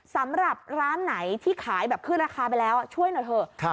สำหรับร้านไหนที่ขายแบบขึ้นราคาไปแล้วช่วยหน่อยเถอะ